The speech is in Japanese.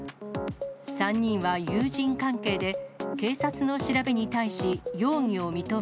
３人は友人関係で、警察の調べに対し容疑を認め。